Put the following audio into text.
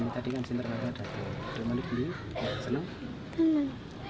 tadi kan sinterkas ada belum malu dulu senang